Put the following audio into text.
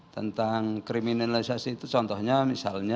tentang kriminalisasi itu contohnya misalnya